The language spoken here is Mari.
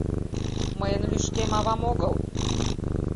Мыйын лӱшкем авам огыл!